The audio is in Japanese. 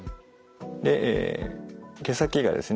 え毛先がですね